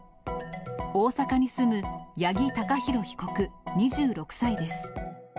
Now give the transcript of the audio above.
大阪に住む八木貴寛被告２６歳です。